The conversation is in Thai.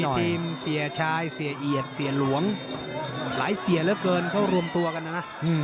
ทีมเสียชายเสียเอียดเสียหลวงหลายเสียเท่ารวมตัวกันน่ะ